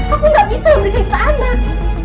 aku nggak bisa memberikan kita anak